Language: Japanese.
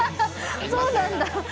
そうなんだ。